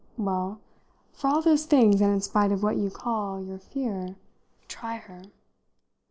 Well, for all those things, and in spite of what you call your fear, try her!"